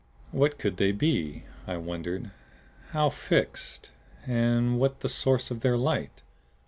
What could they be, I wondered how fixed, and what the source of their light?